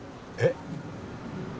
えっ？